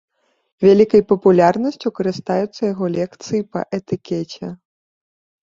Вялікай папулярнасцю карыстаюцца яго лекцыі па этыкеце.